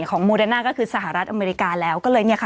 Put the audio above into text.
ของโมเดน่าก็คือสหรัฐอเมริกาแล้ว